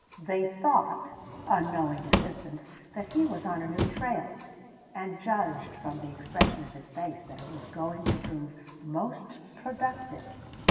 They thought unknowing assistants that he was on a new trail, and judged from the expression of his face that it was going to prove most productive.